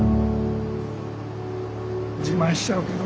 自慢しちゃうけど。